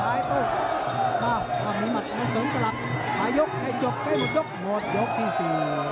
หมดยกที่๔